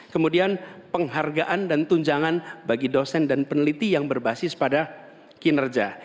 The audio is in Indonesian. kemudian penghargaan dan tunjangan bagi dosen dan peneliti yang berbasis pada kinerja